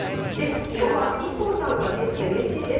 きょうはＩＫＫＯさんがゲストでうれしいです。